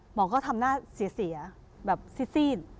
หมอก็ทำหน้าเสียแบบซีด